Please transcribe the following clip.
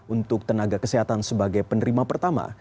untuk tenaga kesehatan sebagai penerima pertama